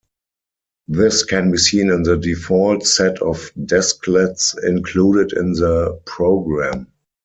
This can be seen in the default set of desklets included in the program.